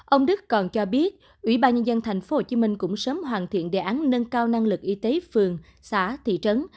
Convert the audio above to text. ông đức còn cho biết ủy ban nhân dân tp hcm cũng sớm hoàn thiện đề án nâng cao năng lực y tế phường xã thị trấn